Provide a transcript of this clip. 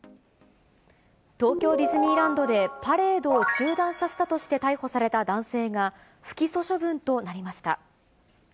東京ディズニーランドで、パレードを中断させたとして逮捕された男性が、不起訴処分となりました。